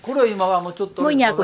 ngôi nhà của chúng tôi đã bị bắt đầu